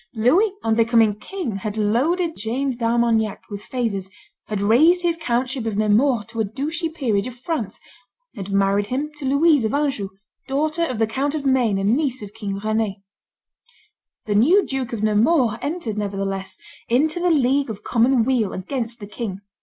Louis, on becoming king, had loaded James d'Armagnac with favors; had raised his countship of Nemours to a duchy peerage of France; had married him to Louise of Anjou, daughter of the Count of Maine and niece of King Rend. The new Duke of Nemours entered, nevertheless, into the League of Common Weal against the king.